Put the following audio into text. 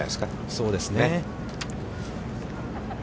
そうですね。